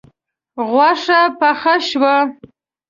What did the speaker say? غوښه پخه شوه